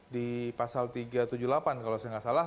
di pasal tiga ratus tujuh puluh delapan kalau saya nggak salah